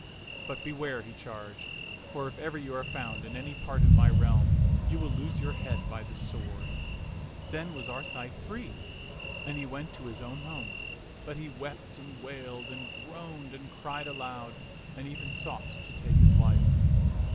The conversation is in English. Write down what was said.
"But beware," he charged, for if ever you are found in any part of my reahii, you will lose your head by the sword." Then was Arcite free, and he went to his own home ; but he wept and wailed and groaned and cried aloud and even sought to take his life.